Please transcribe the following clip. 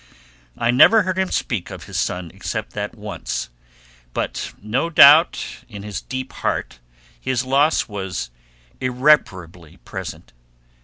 I never heard him speak of his son except that once, but no doubt in his deep heart his loss was irreparably present.